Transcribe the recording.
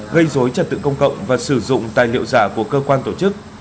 gây dối trật tự công cộng và sử dụng tài liệu giả của cơ quan tổ chức